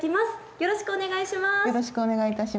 よろしくお願いします。